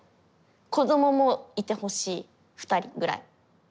子どももいてほしい２人ぐらい。